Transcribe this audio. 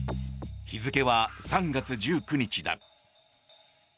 日付は３月１９日だ。